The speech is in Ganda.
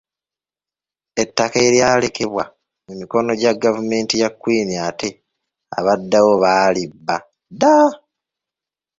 Ettaka eryalekebwa mu mikono gya gavumenti ya Kwini ate abaddawo baalibba dda.